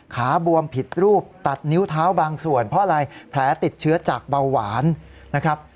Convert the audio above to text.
บวมผิดรูปตัดนิ้วเท้าบางส่วนเพราะอะไรแผลติดเชื้อจากเบาหวานนะครับ